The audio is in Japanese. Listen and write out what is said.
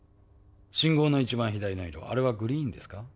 信号のいちばん左の色あれはグリーンですか？